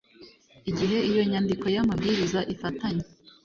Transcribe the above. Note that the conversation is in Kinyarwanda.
igihe iyo nyandiko y amabwiriza ifitanye